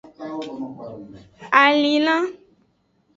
Alinlan.